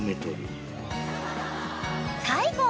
［最後は］